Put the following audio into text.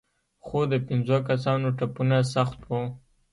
خو د پنځو کسانو ټپونه سخت وو.